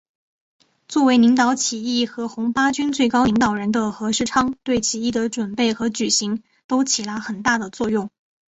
作为领导起义和红八军最高领导人的何世昌对起义的准备和举行都起了很大的作用。